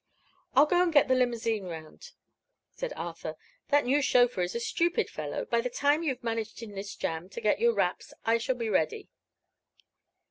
"I'll go and get the limousine around," said Arthur. "That new chauffeur is a stupid fellow. By the time you've managed in this jam to get your wraps I shall be ready.